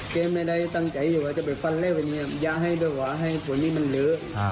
แกไม่ได้ตั้งใจว่าจะไปฟันเลสตินนี้อย่าให้ด้วยกว่าให้ตัวนี้มันเหลือ